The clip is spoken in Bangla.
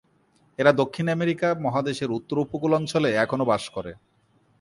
এরা দক্ষিণ আমেরিকা মহাদেশের উত্তর উপকূল অঞ্চলে এখনও বাস করে।